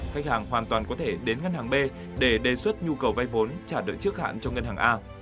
khách hàng hoàn toàn có thể đến ngân hàng b để đề xuất nhu cầu vay vốn trả đợi trước hạn cho ngân hàng a